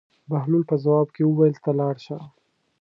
بهلول په ځواب کې وویل: ته لاړ شه.